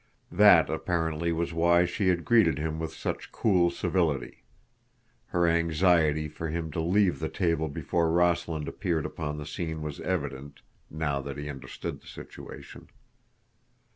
That, apparently, was why she had greeted him with such cool civility. Her anxiety for him to leave the table before Rossland appeared upon the scene was evident, now that he understood the situation.